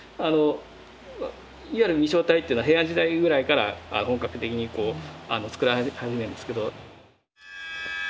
いわゆる御正体っていうのは平安時代ぐらいから本格的につくられ始めるんですけど。